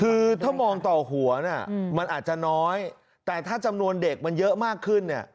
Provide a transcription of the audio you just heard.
คือถ้ามองต่อหัวเนี่ยมันอาจจะน้อยแต่ถ้าจำนวนเด็กมันเยอะมากขึ้นเนี่ย